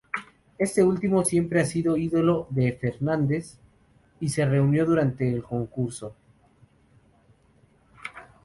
Este último siempre ha sido ídolo de Fernández, y se reunió durante el concurso.